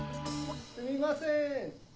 ・すみません！